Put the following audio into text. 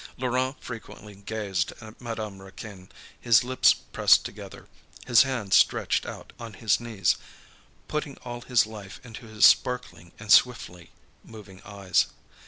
Laurent frequently gazed at Madame Raquin, his lips pressed together, his hands stretched out on his knees, putting all his life into his sparkling and swiftly moving eyes.